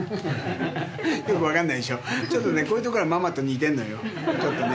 よく分かんないでしょ、ちょっとね、こういうところがママと似てるのよ、ちょっとね。